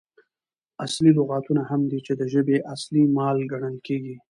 اصلي لغاتونه هغه دي، چي د ژبي اصلي مال ګڼل کیږي.